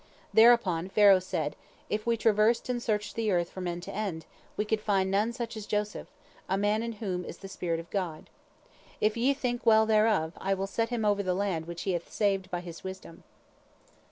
Thereupon Pharaoh said: "If we traversed and searched the earth from end to end, we could find none such as Joseph, a man in whom is the spirit of God. If ye think well thereof, I will set him over the land which he hath saved by his wisdom."